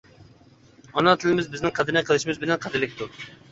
ئانا تىلىمىز بىزنىڭ قەدرىنى قىلىشىمىز بىلەن قەدىرلىكتۇر!